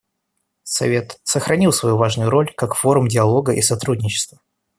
Совет сохранил свою важную роль как форум диалога и сотрудничества.